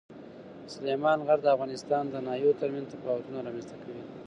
سلیمان غر د افغانستان د ناحیو ترمنځ تفاوتونه رامنځته کوي.